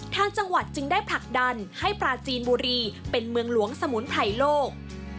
ทางจังหวัดจึงได้ผลักดันให้ปลาจีนบุรีเป็นเมืองหลวงสมุนไพรโลก